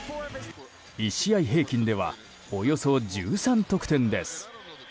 １試合平均ではおよそ１３得点です。